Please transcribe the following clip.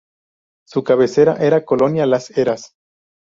Su cabecera era Colonia Las Heras.